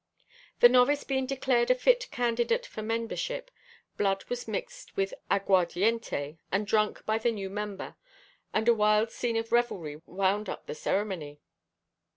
The novice being declared a fit candidate for membership, blood was mixed with aguardiente and drunk by the new member and a wild scene of revelry wound up the ceremony.